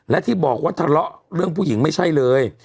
และที่บอกว่าทะเลาะเรื่องผู้หญิงไม่ใช่เลย